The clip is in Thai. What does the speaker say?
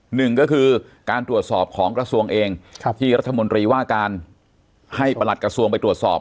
หนึ่งก็คือการตรวจสอบของกระทรวงเองที่รัฐมนตรีว่าการให้ประหลัดกระทรวงไปตรวจสอบ